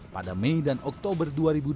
pada mei dan oktober dua ribu dua puluh